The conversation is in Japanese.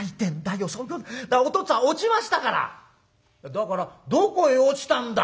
「だからどこへ落ちたんだ？」。